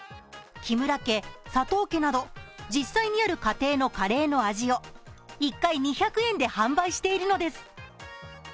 木村家、佐藤家など実際にある家庭のカレーの味を１回２００円で販売しているのです。